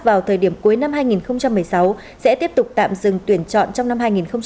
vào thời điểm cuối năm hai nghìn một mươi sáu sẽ tiếp tục tạm dừng tuyển chọn trong năm hai nghìn hai mươi